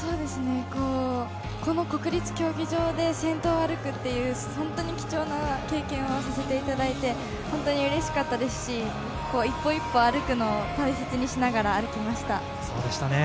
この国立競技場で先頭を歩くという本当に貴重な経験をさせていただいて、本当にうれしかったですし、一歩一歩、歩くのを大切にしながら、大切に歩きました。